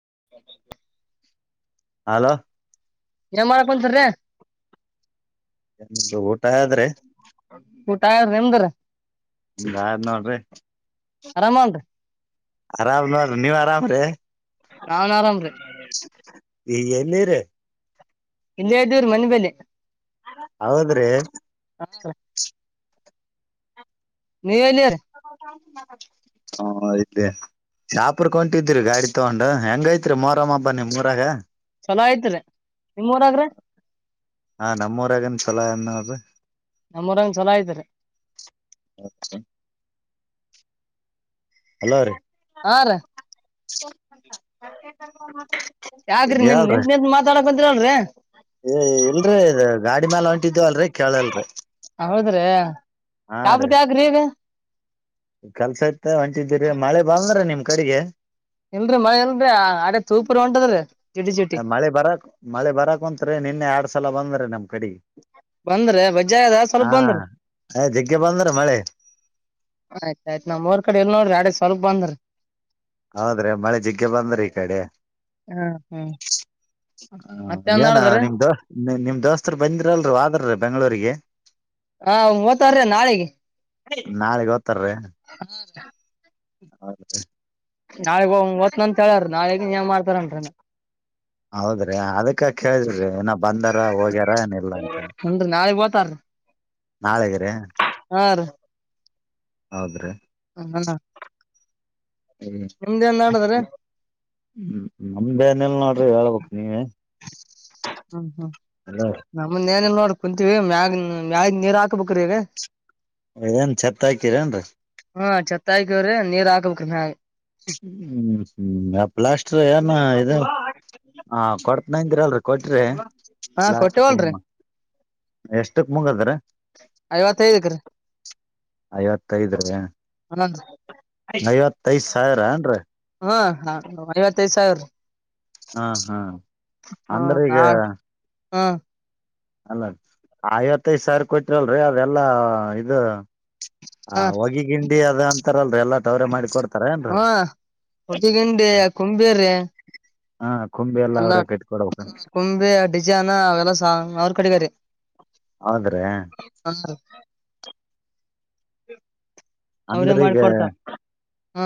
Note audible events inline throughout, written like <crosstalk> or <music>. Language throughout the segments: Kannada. <inaudible> ಹಲೋ ಏನ ಮಾಡಕ ಬಂತೀರಿ. ಶಿ ಊಟ ಆದ್ರ. ರಿಂದ್ರ ಆದ್ ನೋಡ್ರಿ. ಅರಾಮನೃ ಆರಾಮ್ ನೋರಿ ನೀವ್ ಆರಾಮ್ರೀ. ನಾವನ ಆರಾಮ್ರ. ಎ ಎಲ್ಲಿರಿ ಹಿಂದೆ ಅದುರಿ ಮನೆ ಬಲಿ ಹೌದ್ರಿ. <inaudible> ನೀವೆಲ್ಲರಿ ಹಾ ಇತ ಶಾಪುರಕ ಹೊಂಟೀದ್ದೂರಿ ಗಾಡಿ ತಗೊಂಡ ಹೆಂಗೈತ್ರಿ ಮೋರಮ್ಮ ಬ ನೀಮ್ಮ ಊರಾಗ ಚಲೋ ಆಯ್ತ್ರಿ ನಿಮ್ಮ ಊರಾಗ್ರಿ ಹಾ ನಮ್ಮೂರಗನ್ ಚಛಲೋ ಅನ್ನೋದು ನಮ್ಮರಂಗ ಚಲೋ ಇದಐತಾರೆ ಹಲೋ ರೀ ಹ ರ <unintelligible> ಯಾಕ್ರಿ ನಿನ್ ಹೇಳ್ರೀ ನಿಂತ್ ನಿಂತ್ ಮಾತಾಡಕಂತೀರಲ್ರಿ ಏ ಇಲ್ರೀ ಇ ಗಾಡಿ ಮೇಾಲ ಹೊಂಟಿದವಲ್ರಿ ಕೇಳಲ್ರಿ ಶಹಪುರ್ ಯಾಕೆ ರೀ ಈಗ ಕೆಲ್ಸ ಇತ್ತ ಹೊಂಟಿದ್ದೀರಿ ಮಳೆ ಬಾಲ್ನರ ನಿಮ್ ಕಡೆಗೆ ಇಲ್ರರಿ ಮಳ ಇಲ್ರರಿ ಅಡ ಸೂಪರಿ ಹೊಂಟದ್ರಿ ಜುಟಿ ಜುಟಿ ಮಳೆ ಬರಕ್ ಮಳೆ ಬರಕ್ ಕುಂತ್ರಿ ನಿನ್ನೆ ಎಡ್ ಸಲ ಬಂದ್ರೆ ನಮ್ ಕಡೆ ಬಂದ್ರಿ ವಜ್ಜಾ ಇದ ಸ್ವಲ್ಪ ಬಂದ್ರಿ ಜಗ್ಗೆ ಬಂದ್ರ ಮಳೆ ಆಯ್ತ ಆಯ್ತ್ ನಮ್ಮೂರು ಕಡೆ ಎಲ್ಲಿ ನೋಡ್ರಿ ಅಡ ಸ್ವಲ್ಪ ಬಂದ್ರರಿ ಹೌದ್ರೆ ಮಳೆ ಜಿಗ್ಗೆ ಬಂದ್ರಿ ಈ ಕಡೆ ಹ್ಮ್ ಹ್ಮ್ ಹ ಮತ್ತೇನ್ ಏನ ನಡದ್ರಿ ನಿಮ್ ದೋ ನಿಮ್ ದೋಸ್ತರು ಬಂದಿರಲ್ರು ಒದ್ರ ಬೆಂಗ್ಗಳೂರಿಗೆ ಹಾ ಮೂ ಒತ್ತವರ್ರಿ ನಾಳೆಗೆ ನಾಳೆ ಗೊತ್ತು ಹಾ ರೀ ಹೌ ರಿ ನಾಳಗ್ ಹ ಓತ್ನಿ ಅಂತ ಹೇಳಾರ ನಾಳಗ ನೀಏನ್ ಮಾಡ್ತಾರನ್ರ ಹೌದ್ರಿ ಅದಕ್ಕ ಕೇಳಿದ್ದರೆ ಇಏನ ಬಂದಾರ ಹೋಗ್ಯಾರ ಏನಿಲ್ಲಾ ಅಂತ ತರಿ ನಾಳೆ ಗಿರಿ ಹೌದ್ರಿ ಹ ಹ್ಮ್ ಹ್ಮ್ ನಮ್ದ ನಲ್ ನೋಡ್ರಿ ಹೇಳ್ಬೇಕ ಹ್ಮ್ ಹ್ಮ್ ನಮ್ಮನೆಲ್ಲೋ ಕುಂತೀವಿ ಮ್ಯಾಗ ಮ್ಯಾಗ ನೀರ್ ಹಾಕ್ಬೇಕ್ರೀ ಈಗ ಏನ್ ಛತ್ತ ಆಕಿರೇನ್ರಿ ತಾಯಕ ಅವ್ರ ನೀರು ಆಗಬೇಕ ಮೇಲೆ ಹ್ಮ್ ಹ್ಮ್ ಪ್ಲಾಸ್ಟರ್ ಏನ ಇ ಕೊಡ್ <unintelligible> ದಿರಲ್ರಿ ಕೊಟ್ರಿ <unintelligible> ಹಾ ಲಾಸ್ಟ್ ಕೊಟ್ಟೆವಲ್ರಿ ಎಷ್ಟಕ್ ಮುಂಗದ್ರ ಐವತ್ತಾಯಿದುರಿ ಐವತ್ತೈದ್ರ ಹಂದ್ರಿ ಐವತ್ತೈದು ಸಾವಿರ ಏನ್ರೀ ಹಾ ಐವತ್ತೈದ್ ಸಾವಿರ ಹಾ ಹಾ್ ಹ್ಮ ತ ಹ್ಮ್. ಅಲ್ಲ ಐವತ್ತೈದ್ ಸಾವಿರ ಕೊಟ್ರಲ್ರಿ ಅವೆಲ್ಲಾ ಇದು. ಹ ಒಗಿ ಗಿಂಡಿ ಅದ ಅಂತಾರಲ್. ಹಾಗಂಡಿ ಕುಂಬೇರ್ರೆ. ಹಾ ಕುಂಬಿ ಎಲ್ಲಾ ಎಲ್ಲ ಅವ್ರೇ ಕಟ್ಟಿ ಕೊಡ್ಬೇಕ ಕುಂಬೆ ಡಿಜೆನ ಅವೆಲ್ಲಸ ಅವ್ರ ಕಡೆಗಾರಿ. ಹೌದ್ರಿ ಅವ್ರೇ ಅಂದ್ರ ಈಗ ಮಾಡಿಕೊಡ್ತಾರ ಹಾ.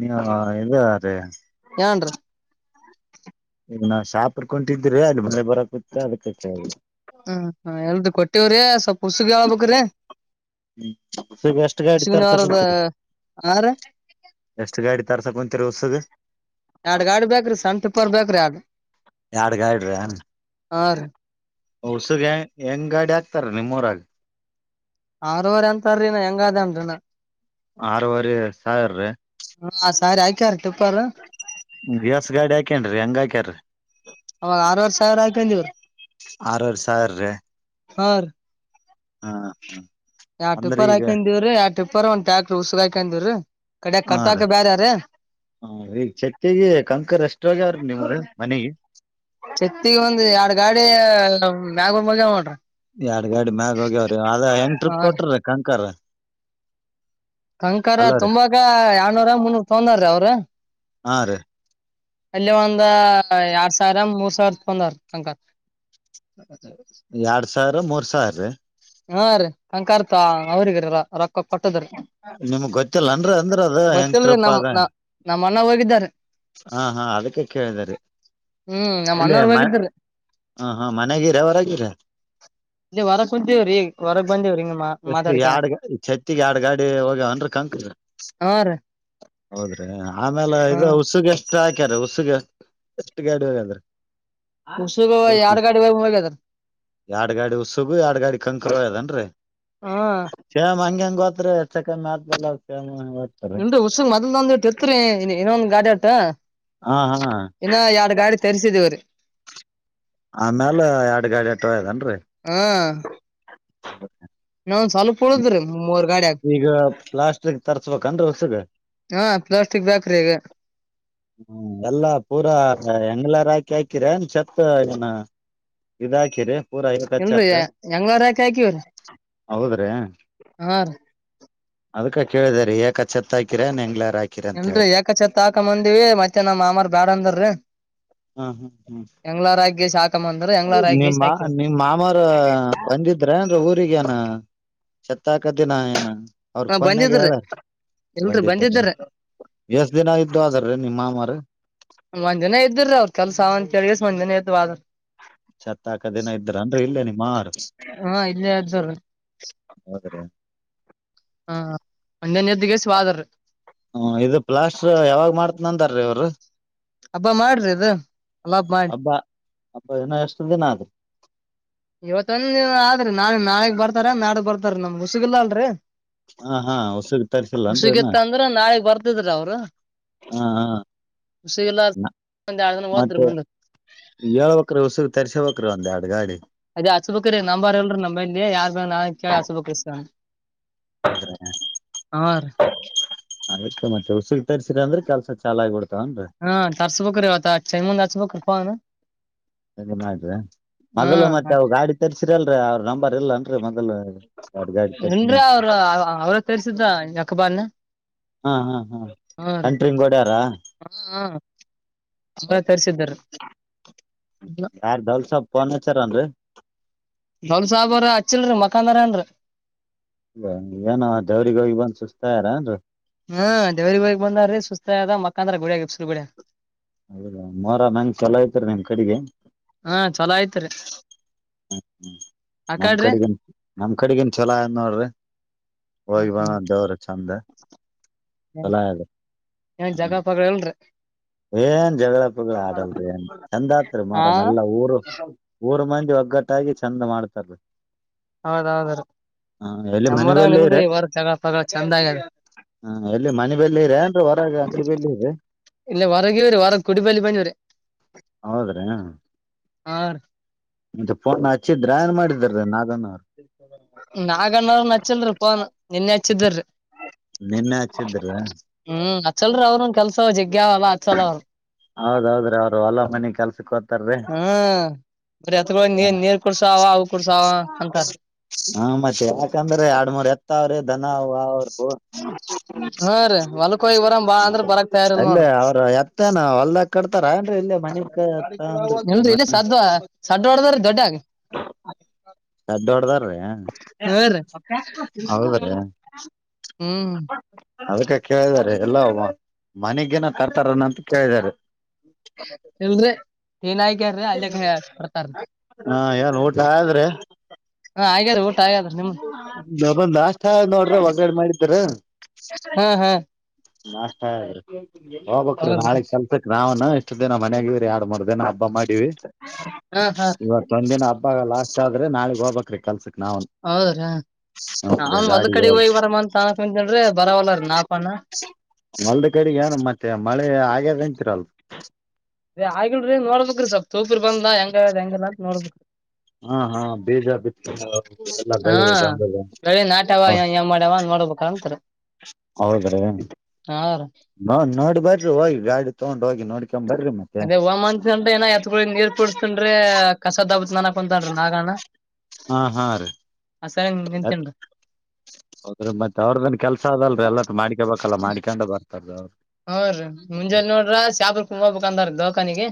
ನ್ಯ ಇದೆ ರಿ ಎಂಡ್ರಿ. ಈಗ ನಾ ಶಾಪರ್ಕೊಂಡಿದ್ರೆ ಅಲ್ಲಿ ಮಳೆ ಬರಕುತ್ತೆ ಅದಕ್ಕೆಳ್ರಿ ಹ್ಮ್, ಹೇಳ್ತಿಕೊಟ್ಟವರಿ, ಸ್ವಲ್ಪ ಹುಸುಗ ಹಳ್ಬೇಕ್ರಿ? <unintelligible> ಹ್ಮ, ಉಸುಗೇ, ಎಷ್ಟು, ಗಾಡಿ, ತರುಶುಬೇಕುವಂತೂದೀರಿ. ಹಾ ರೀ <inaudible> ಎಷ್ಟು, ಗಾಡಿ, ತರುಷುಬೇಕುಕುಂತೂರಿ, ಹೊಸಗ್. <inaudible> ಎರಡ್, ಗಾಡಿ ಬೇಕ್ರಿ! ಸಂತಪರ್ಬೇಕ್ರಿ? ಎರಡು. <inaudible> ಎರಡ್, ಗಾಡ್ರಿ! ರೀ ಹೊಸುಗೆ, ಹೆಂಗ್ ಗಾಡಿ ಆಗ್ತಾರೆ? <inaudible> ನಿಮ್ಮರಾಗಿ! <inaudible> ಆರವರೆ, ಅಂತಾರೀ, ನಾನು, ಹೆಂಗ ಅದೇನ್ರಿನ? <inaudible> ಆರವರೆ, ಸಾವಿರ ರೀ! <inaudible> ಕೆರಟುಪಲ್ಲೂ. <inaudible> ಗ್ಯಾಸ್, ಗಾಡಿ ಹಾಕೇನ್ರಿ, ಹಂಗುಅಕೋನೂರಿ. <inaudible> ಅವಾ, ಆರವರೆ ಸಾವಿರ ಅಕಾನ್ಡ್ಯೂಡಿವಿರಿ. <inaudible> ಆರೂವರೆ, ಸಾವಿರ ರೀ! <inaudible> ಹ, ರಿ. ಹ <inaudible> ಎರಡು, ಅಂದ್ರ ಟಿಪಾರ, ಈಗ ಅಕೊಂಡುಇಧಿವಿರಿ ಎರಡು ಟಿಪ್ಪರ, ಒಂದುತಿಪೇರ್,, ಉಸಗು, ಅಕೊಂಡುವರಿ. <inaudible> ಹಾ, ರೀ, ಹ ಈಗ ಚತ್ತಗೆ ಕಂಕರ್, ಎಸ್ಟು, ಹೇಳೋರೇ, ನಿನ್ಗೆ. <inaudible> ಮನೆಗೆ? <inaudible> ಚೆತ್ತಿಗೆ, ಒಂದು, ಎರಡು ಗಾಡಿ, ಮ್ಯಾಗ ಮೈಗ, ಮದುವೆಮಾಡು. <inaudible> ಎರಡ್, ಗಾಡಿ, ಮ್ಯಾಗ ಹೋಗ್ಯವ್ರಿ! ಅದ ಹೆಂಗ ಹಾ ಟ್ರಿಪ್, ಕೊಟ್ರೀ ಕಂಕ. <inaudible> ಕಂಕರ, ಅಲ್ಲರಿ ತುಂಬಾಗ, ಎರ್ನೂರ! ಮುನ್ನೂರ್ ತೊಗೊಂಡಾರೀ, ಅವ್ರ. <inaudible> ಹಾ, ರೀ. <inaudible> ಅಲ್ಲಿ, ಒಂದು, ಎರಡು, ಸಾವಿರ ಮೂರು ಸಾವಿರ, ತಗೊಂಡವರುರಿ, ಕಂಕ. <inaudible> ಎರಡ್, ಸಾವಿರ, ಮೂರ್ ಸಾವಿರೀ? <inaudible> ಹಾ, ರೀ, ಕಂಕತ ಅವ್ರಗ್ರ! ರೊಕ್ಕ ಕೊಟ್. ನಿಮ್ಗ್ ಗೊತ್ತಿಲ್ಲನ್ರಿ ಅಂದ್ರ ಅದ <inaudible> ಹೆಂಗ್ ಗೊತ್ತಲ್ರಿ, ಟ್ರಿಪ್ ನಮ್, ಅದ ನ, ನಮ್ಮ, ಅಣ್ಣ, ಹೋಗಿದ್ದಾರಿ. <inaudible> ಹಾ, ಹಾ, ಅದಕ್ಕೆ ಕೇಳಿದರಿ. ಹ್ಮ್ <inaudible> ನಮ್ ಇಲ್ಲಿ, ಅಣ್ಣವ್ರು ಮ, ಹೋಗಿದ್ದಾರಿ ಹ, ಹಾ, ಮನ್ಗಿರ ಹೊರಗಿರಾ? <inaudible> ಇ, ಹೊರಕ್, ಕುಂತಿವಿರಿ, ಹೊರಕ್, ಬಾಂಧ್ಯವುರಿ. <inaudible> ಎಷ್ಟು ಎರಡುಗೆ, ಛತ್ತಗೆ ಎರಡ್ ಗಾಡಿ ಹೋಗ್ಯಏನ್ರಿ, ಅಂದ್ರ ಕಾಣುಕೇ? ಹಾ ರೀ <unintelligible> ಹೌದ್ರಿ! ಆಮೇಲೆ ಹಾ ಇದು, ಹುಸುಗೆ ಎಷ್ಟು ಹಾಕ್ಯಾರ, ಹುಸುಗೆ ಎಷ್ಟು ಗಾಡಿ ಹೋಗದೇ? <inaudible> ಉಸೀರ್, ಎರಡು, ಗಾಡಿ ಒಗೂಧುಮೇಲೈ, ಅಗಾಧಾರಿ.. <unintelligible> ಎರಡ್, ಗಾಡಿ ಉಸುಗು, ಎರಡ್ ಗಾಡಿ, ಕಂಕರ ಅದನ್ರರಿ. <inaudible> ಹಾ. <inaudible> ಹಂಗೇನು, ಅಕೂತಿರಿ, ಚಕ ಮಾಡುಧುಮೇಲೈ. <inaudible> ನಿಂದು, ಉಸ್ಹು, ಮೊದಲು, ಒಂದ್, ಇಟ್ಟ ಇತ್ರಿ ಇನ್ನೊಂದ್, ಗಾಡಿ ಆಟ್ಟ. ಹಾ ಹಾ <inaudible> ಇನ್ನು, ಎರಡ್ ಗಾಡಿ ತರಿಸಿದೀವ್ರೀ? <inaudible> ಆಮ್ಯಾಲ, ಎರಡ್ ಗಾಡಿ ಎಟದೇನ್ರಿ? <inaudible> ಹಾ <unintelligible> <inaudible> ಇನ್ನೇನು, ಒಂದ್ ಸ್ವಲ್ಪ್! ಉಳಿದುರಿ, ಮೂರ್ ಗಾಡಿಯಾಗ. ಈಗ ಪ್ಲಾಸ್ಟಿಕ್ ತರ್ಸ್ಬೇಕನ್ರಿ ಹೊಸಗ <inaudible> ಹಾ, ಪ್ಲಾಸ್ಟಿಕ್, ಬೇಕರಿ ಈಗ? <unintelligible> ಹ್ಮ, ಎಲ್ಲಾ ಪೂರಾ! ಹೆಂಗ್ಲಾರ ಹಾಕಿ ಹಾಕಿರನ್, ಚೆಕ್, ಏನಾ? <inaudible> ಇದ, ಹಾಕಿರಿ. <inaudible> ಇಲ್ರಿ, ಏಕಛತ್ ಯಂಗರ ಯಾಕ, ಹಾಕಿರಿ! <inaudible> ಹೌದುರಿ? <inaudible> ಆ. ರಿ. <inaudible> ಅದ್ಕಕೆ, ಕೇಳಿದರಿ, ಯಾಕಛತ್ತತ್, ಹಾಕಿರ ನಿಂಗ್ಲ... <inaudible> ಇಲ್ರರಿ, ಏಕಚಛತ್ ಹಾಕ ಬಂದಿವ! ಮತ್ತೆ ನಮ್ಮ್ ಮಾಮಾರ್ ಬ್ಯಾಡ ಅಂದರಿ. <inaudible> ಹ್ಮ್, ಹ್ಮ್, ಹ್ಮ್. <inaudible> ಹಾಕಂಬಂದ್ರ ಹೆಂಗ್ಲಾರ ನಿಮ್ಮ, ಹಾಕಿಸಿ ಮವಾವರು, ಹಾಕಿವ್ರಿ ನಿಮ್ಮ ಮಾಮಾರ ಬಂದಿದ್ರ ಏನ್, ಊರಿಗೇನು? <inaudible> ಶತಾಕ, ದಿನ ಅವ್ರ! ಫೋನ್ಯಾಗ ಹೇಳು. <unintelligible> ಮುಂದೆ ಬಂದಿಡೆರ್ರಿ! ದಿನ ಇದ್ದು ಹೋದಾರ್ರಿ ನಿಮ್ ಮಾಮಾರ <inaudible> ಒಂದ್ಜನ ಇದ್ದ್ರ ಅವ್ರ ಕೆಲ್ಸ ಅಂತೇಳ. ಹನ್ನನೆ ಎದು ಬ <unintelligible> ಚತ್ತಾಕದೇನ ಇದ್ರ ಅನ್ ಇಲ್ಲೇ ನಿಮ್ ಮಾರ. ಹಾ ಇಲ್ಲಿ ಅಲ್ಲ. ಹೌದ್ರಿ ಹಾ ಮಜನ ಎದ್ದಿಗೆಸಿವಾದರಿ. ಹ್ಮ ಇದು ಪ್ಲಾಸ್ಟ್ರ ಯಾವಾಗ್ ಮಾಡ್ತನ ಅಂತಾರೀ ಅವರು. ಹಬ್ಬ ಮಾಡ್ರಿ ಇದು ಅಲ್ಲಾಪ್ ಮಾಡಿ ಅಬ್ಬಾ ಅಬ್ಬ ಏನ ಎಷ್ಟತದೆ ನದು. <inaudible> ಇವತ್ತೊಂದ ಆದ್ರಿ ನಾ ನಾಳಗ್ ಬರ್ತಾರ ನಾಡಗ್ ಬರ್ತಾರ ನಮ್ ಹುಸಿಗಿಲ್ಲ ಅಲ್ರರಿ. ಹಾ ಹಾ ಹೊಸಗ್ ತರ್ಸಿಲ್ಲನ್ರಿ ಇನ್ನ ಹಸಿಗಿತ್ತ ಅಂದ್ರೆ ನಾಳಗ್ ಬರ್ತಿದ್ರ ಅವರು. ಹಾ ಹಾ. ಸಿ ಎಲ್ಲ ಒ ಎಡು ಜನ ಹೋದ್ರಿ ಬಂದ. ಏಳ್ಬೇಕಕ್ರೆ ಉಸುಗ್ ತರ್ಸಬೇಕಕ್ರ ಒಂದ್ ಎಡು ಗಾಡಿ. ಅದೇ ಹಸು ಬ್ರೀ ನಂಬ ಬಾರ್ ಇಲ್ರೀ ನಮ್ಮೇಲಿ ಯಾರ್ ಬ ನಾ ಕೇಳಿ ಅಸುಬಕ್ ಇ. ಅದಕ್ಕೆ ಮತ್ತೆ ಉಸ. ತರಿಸಸಿ ಅ್ರ ಕೆಲಸ ಚ ಆಗ್ಬಿಡತ್ತೆ. ಹಾ ತರ್ಸು ಬಕ ರರಿತ ಚೈಮ ತರ್ಸ ಬಕ ಪ. ಎ ಮಾಡ್ರಿ ಮೊದ್ಲು ಮತ್ತೆ ಅವ ಗಾಡಿ ತರ್ಸಿರಲ್ರರಿ ಅವ್ರ ನಂಬರ್ ಇಲ್ಲನ್ರರಿ ಮೊದ್ಲು. ಏನ್ರ ಅವ್ರ ಅವ್ರ ತರ್ಸಿದ ಯಕಬಾನ. ಹಾ ಹಾ ಹ್ಮ ಸೆಂಟ್ರಿಂಗ್ ಗೋಡ್ಯಾರ. ಹಾ ಅವ್ರ ಹೌದ ತರ್ಸಿದ್ರಿ ಯಾರ ದೌಲ್ಸ ಪರ್ನಚರ್ ಅನ್ರರಿ. ಲ್ ಸಾಹಬ ಅವರ ಹಚ್ಚಿಲ್ರಿ ಮಕಾಂದಾರ ಅನ್ರಿ. ಇಲ್ಲ ಏನೋ ದೇವ್ರಗ ಹೋಗಿ ಬಂದ ಸುಸ್ತಾಾರನ್. ಹ್ಮ ದೇವ್ರ ಗಗ್ ಬಂದಾರೀ ಸುಸ್ತದ ಮಕ್ಕಾಂದ್ರ ಗುಡಿಯಸುರ್ ಗುಡ. ಹೌದಾ ಮೋರ ಮಂಗ್ ಚಲೋಯತರಿ ನಿಮ್ ಕಡೆಗೆ. ಹಾ ಚಲೋ ಆಯ್ತ್ರಿ. ಹ್ಮ್ ನಮ್ ಕಡೆಗನ್ ನಮ್ ಕಡೆಗನ್ ಚಛಲೋ ಏ ನೋಡ್ರಿ. ಹ್ಮ್ ಹೋಗಿ ಬ ಹ್ಮ್ ದವರು ಚಂದ ಚಲ ಇ. ನ ಜಗ ಪಗಳ ಅಲ್ರರಿ. ಏನ್ ಜಗಳಪ್ಪು ಆಡಲ್ ಏನ್ ಚಂದಾತ್ ಹಾ ಮರಮ ಎಲ್ಲ ಊರು. ಊರ್ ಮಂದಿ ಒಗ್ಗಟ್ಟಾಗಿ ಚೆಂದ ಮಾಡ್ತಾರ. ಹೌದೌದ ರೀ ಎಲ್ಲಿ ಮನೆ ನಮ್ಮರಾಗ ಬಲ್ಲಿ ನಿಂದಿ ವಾರ ಜಗಳ ಪಗಳ ಚಂದ ಆಗ್ಯದ. ಹಾ ಎಲ್ಲಿ ಮನೆ ಬೆಲ್ಲ ಇರ ಅಂದ ಹೊರಗೆ ಅಂಗಡಿ ಬೆಲ್ಲ ಇದೆ. ಇಲ್ಲ ವರಗೆವರ ವರ ಕುಡಿಬಾಲಿ ಬನ್ನಿವರ ಹೌದ್ರಿ ಹ. ಮತ್ತೆ ಪೂರ್ಣ ಹಚ್ಚಿದ್ರಾಯಏನ್ ಮಾಡಿದ ನಾಗನ. ನಾಗಣ್ಣ ಅವ್ರ ನಚ್ಚಲ್ರಿ ಪೋನ್ ನಿನ್ನೆ ಹಚ್ಚಿದ್ರರಿ. ನಿನ್ನೆ ಹಚ್ಚಿದ್ರಿ ಹ್ಮ್ ಅಚ್ಚಲ್ರೀ ಅವ್ನೊನ್ ಕೆಲ್ಸಜಿ. ಹೌದೌದ್ರೀ ಅವರು ಹೊಲ ಮನೆ ಕೆಲ್ಸಕ್ಕೆ ಹತ. ಹ್ಮ್ ಬರಿ ಎತ್ಗ ನೀ ನೀರ್ ಕುೂಡ್ಸಾವ ಅವು ಕುೂಡ್ಸಾವ ಅಂತಾರ. ಹ ಮತ್ತೆ ಯಾಕಂದ್ರೆ ಎರ ಮೂರ್ ಎತ್ತ ಅವ್ರಿ ದನ ಅವ್ರು. ಹಾ ರ ವಾಲ ಅಲ್ಲೇ ಅವರು ಎತ್ತೇನ ಹೊಲ್ದ ಕಡ್ತಾರ ಏನ್ ಇಲ್ಲೇ ಮನತ್ತ ಇಲ್ಲಿ ಸ ಸದ್ದವಾಡದ್ರ ದೊಡ್ಡ ಆಗ ಹೌದೀ ಹ್ಮ್ ಅದಕ್ಕೆ ಕೇಳಿದಾರೆ ಎಲ್ಲ ಮನೆಗನ ತರ್ತಾರನಂತ ಕೇಳಿದಾರೆ ಹೇಳಲ್ ಏನಯ್ಕ್ಯಾರೀ ಅಲ್ಲಿ ಬರ್ತಾರ ಹಾ ನ್ ಊಟ ಆದ್ರೆ ಹಾ ಆಗ್ಯಾರ ಊಟ ಆಗ್ಯಾದ್ರಿ ನಿಮ್ದ್ ನ ಬಂದ ನಾಷ್ಟ ನೋಡ್ರ ಒಗ್ಗಡೆ ಮಾಡಿದಾರ ಹಾ ಹಾ ನಾಷ್ಟರಿ ಹೋಗ್ಕ್ ರೀ ಹೌದ ನಾಳೆ ಕೆಲ್ಸಕ್ ನಾವ್ ಇಷ್ಟು ದಿನ ಮನಯಾಗರಿ ಎರಡ್ ಮೂರ್ ದಿನ ಹಬ್ಬ ಮಾಡಿವಿ ಹಾ ಹಾ ಇವತ್ತೊಂದ ದಿನ ಹಬ್ಬ ಇವಾಗ ಲಾಸ್ಟ್ ಆದ್ರ ನಳಗ್ ಹೋಗಬೇಕ ರೀ ಕಲ್ಸಕ್ಕೆ ಹೌದ ನನ್ ಒಂದ್ ಗಾಡಿಗೆ ಕಡೆಗ್ ಹೋಗ ಹೋಗಿ ಬರ ಅ ತಾನಕ್ ಅಂತ್ರಿ ಬರವಲ್ಲರ ನಾಪಾನ ಮಲ್ದ ಕಡೆಗೆ ಮತ್ತೆ ಮಳೆ ಆ ರ ಆಗಲ್ನೋಡ್ಬೇಕ್ರಿ ಸ್ವಲ್ ತೂಪರಿ ಬಂದ ಹೆಂಗ ಹೆಂಗ ಎಲ್ಲ ನೋಡ್ಬೇಕು ಹಾ ಹಾ ಬೀಜ ಬಿತ್ತ ಎಲ್ಲಾ ಹಾ ಬೆಳೆ ಬಂದದ ಅ ನಾಟ ಆ ಮಾಡ ಹನ್ ಮಾಡಬೇಕ ಅಂತಾರೆ ಹೌದ್ರಿ ನಾ ನೋಡ್ಬಾರ್ರಿ ಹೋಗಿ ಗಾಡಿ ತಗೊಂಡು ಹೋಗಿ ನೋಡ್ ಅದೇ ಹ್ಂತ್ನ್ ಏ ಎತ್ ನೀರ್ ಕುಡಸ್ತನ್ ಕಸ ದಬತ್ ನನಕ ಕುಂತನ್ನಾಗಣ ಹಾ ಹಾ ನಿಂತೇನ್ರಿ ಹೌದ್ರ ಮತ್ತೆ ಅವ್ರ್ದನ್ ಕೆಲ್ಸ ಅದಲ್ ಎಲ್ಲತ್ ಮಾಡ್ಕಬ ಕಲ ಮಾಡ್ಕೊಂಡು ಬರ್ತಾರ್ದ ಅವ್ರು ಹ್ರೀ ಮುಂಜಾನ ನೋಡ್ರ ಶಾಪ ಕುಂಬಬೇಕಂದಾರ ದೋಖಾನಿಗೆ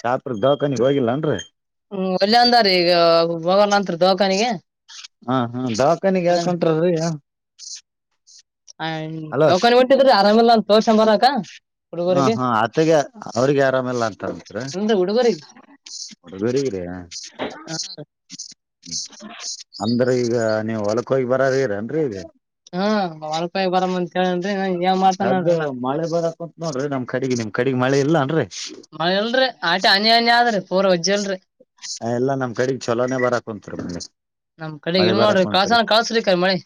ಶಾಪ್ರ ದವಾಖಾನಿಗ್ ಹೋಗಿಲ್ಲನ್ರರಿ ಹ್ಮ ಒಲ್ಯ ಅಂದಾರೀಈಗ ಹೋಗಂರಿ ದೋಖಾನಿಗೆ ಹಾ ಹ್ಮ್ ದವಾಖಾನಗ ಯಾಕಂಟಯ ಹ್ಮ ತೌಕೊಂಡನ್ ಬಿಟ್ಟಿದ್ರಿ ಆರಾಮಲ್ಲ ತೋಷ ಬರಕ ಹ್ಮ ಹಾ ಆತೆಗೆ ಅವ್ರಿಗೆ ಆರಾಮಲ್ಲ ಅಂತ ಅತ್ ಅಂದ್ರ ಹುಡುಗರಿಗೆ ಬರಗೆಯ ಅಂದ ಅ ಈಗ ನೀವು ಹೊಲಕ್ಕ ಹೋಗಿ ಬರ್ರೀರೇನ್ರೀ ಇ ಹ್ಮ ಒ ರೂಪಾಯಿ ಬರಾಮ ಅಂತತ್ ಹೇಳನ್ ನಾನ್ ಏ ಮಾತ ಸದ್ದ ನೋಡ್ರಿ ನಾ ಮಳೆ ಬರಾಕುಂತ್ ನೋಡ್ರಿ ನಮ್ ಕಗ್ ನಿಮ್ ಕಡೆಗ್ ಮಳೆ ಇಲ್ಲಾನ್ರಿ ಮಲ್ರಿ ಆಟಿ ಅನಯ ಅನ್ಯ ಆದ್ರಿ ಪೂರ್ ವಜ್ಜಲ್ರರಿ ಹ ಎಲ್ಲಾ ನಮ್ ಕಡಗ್ ಚೊಲೋನನೆ ಬರಕ್ ಕುಂತರ ನಮ್ ಕಡೆ ಇಲ್ಲ ನೋಡ್ರಿ ಕಾಸಾನ ಕಾಡೀ ಮಳೆ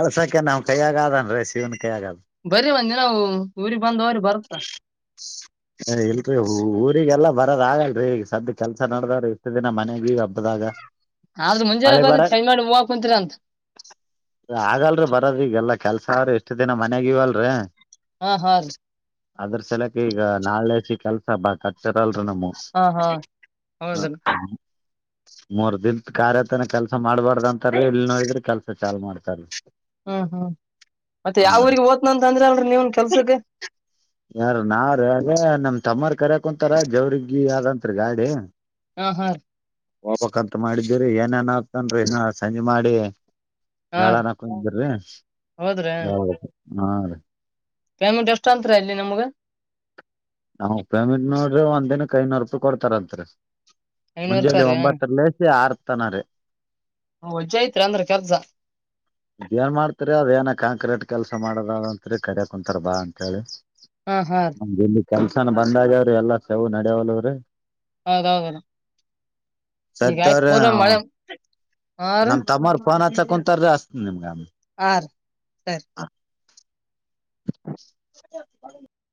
ಅಳ್ಸಕ ನಾವ್ ಕೈಯ್ಯಗದನ್ರೀ ಶಿವನ್ ಕೈಯ್ಯಗಾದ ಬರೀ ಬಂದಿ ನಾವು ಊಗ್ ಬಂದ ಅವ್ರ ಬರ್ತ್ತ ಇಲ್ರರಿ ಊರಿಗೆಲ್ಲಾ ಬರೋದ ಆಗಲ್ರರಿ ಈ ಸದ್ದ ಕೆಲ್ಸ ನಡ್ದಾರ ಇಷ್ಟ ದಿನ ಮನೆಗೆ ಹಬ್ಬದಾಗ ಆದ್ರ ಮುಂಜೆನ ಮಳೆ ಬ ಬರ ಚೆಡಿ ಹವಕ್ ಕುಂತೀರ ಅಂತ ಆಗಲ್ರಿ ಬರದ ಈಗಲ್ಲಾ ಕೆಲ್ಸ ಅವ್ರಿ ಇಷ್ಟ ದಿನ ಮನ್ಯಾಗ ಇವಲ್ರಿ ಹಾ ಹಾ ರ ಅದ್ರ ಸಲಕ ಈಗ ನಾಳೆಸಿ ಕೆಲ್ಸ ಬಾಕ್ ಕಟ್ತಾರಲ್ರಿ ನಮ್ಮ ಹೌದ <unintelligible> ಮೂರ್ ದಿನತ್ ಕಾರ್ಯತನ ಕೆಲ್ಸ ಮಾಡ್ಬಾರ್ದ ಅಂತಾರ ಇಲ್ಲಿ ನೋಡಿದ್ರೆ ಕೆಲ್ಸ ಚಾ ಮಾಡ್ತಾರ ಹ್ಮ್ ಹ್ಮ್ ಮತ್ತೆ ಯಾವ ಊಗ್ ಓ್ನಂತ ಅಂದ್ರ ಅಲ್ರಿ ನೀವನ್ ಕೆಲ್ಸಕ್ಕೆ ಯಾರ ನಾರ ಅದ ನಮ್ ತಮ್ಮರ್ ಕರಕ ಕುಂತಾರ ಜವ್ರಗ ಅಂರಿ ಗಾಡಿ ಹ ಹಾ ಹೋಗಬಕ್ಂತ ಮಾಡಿದ್ದೀರಿ ಏನೇನ್ ಆಗ್ತನ್ರಿ ಇನ್ನ ಸಂಜೆ ಮಾಡಿ ಹಾ ರೀ ಯಳ್ನಕಿದಿರಿ ಹಾ ಮೆಂಟ್ ಎಷ್ಟ ಅತ್ರ ಇಲ್ಲಿ ನಮ್ಗ ನಾಪೇಮೆಂಟ್ ನೋಡ್ರಿ ಒಂದ್ನಕ್ ಐನೂರು ರೂಪಾಯಿ ಕೊಡ್ತಾರಂರಿ ಐನೂರು ಮುಂಜಾನೆ ರೂಪಾಯಿ ರೀ ಒಂಬತ್ತರಲಸಿ ಆರ್ತನರ ವಜ್ಜಿ ಐತ್ರಿ ಅಂದ್ರ ಕೆಲ್ಸ ಏನ್ ಮಾಡ್ತರಿ ಅದೇ ಏನ ಕಾಂಕ್ರೀಟ್ ಕೆಲ್ಸ ಮಾಡದತ್ರಿ ಕರ ಕುಂತಾರ ಬಾ ಅಂತ ಹೇಳಿ ಹ್ಮ ಹಾ ರ ಕೆಲ್ಸನ ಬಂದಾಗ್ಯವ್ರೀ ಎಲ್ಲಾ ಸೆವು ನಡ್ಯವಲ್ರೀ ಹೌದೌದದು ಈ ಸರಿತವ್ರಿ ಗಾಯತ್ದ ಮಳೆ ಆರ ಪೋನಾ ಹಚ್ಚಕುಂತರ ರಿ ಹಚ್ತೇನ ನಿಮಗ ಅಮೇಲ್. ಆ ರಿ ಸರಿ. <inaudible> <inaudible>